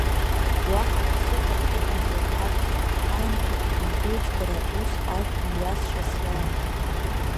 Уаҳа ԥсыхәак ыҟамзар акәхап, аамҭа гәмбыл-џьбара ус ауп мҩасшьас иамоу.